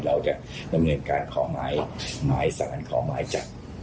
เราจะดำเนินการขอหมายสารขอหมายจับ